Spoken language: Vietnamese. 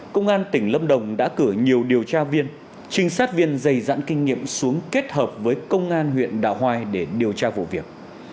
công an tỉnh lâm đồng đã cử nhiều điều tra viên trinh sát viên dày dặn kinh nghiệm xuống kết hợp với công an huyện đào hoài để điều tra vụ việc